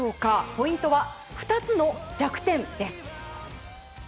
ポイントは２つの弱点です。